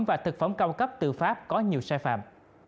và thực phẩm cao cấp từ pháp có nhiều sai phạm